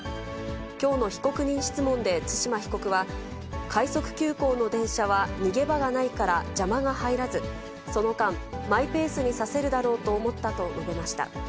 きょうの被告人質問で対馬被告は、快速急行の電車は逃げ場がないから邪魔が入らず、その間、マイペースに刺せるだろうと思ったと述べました。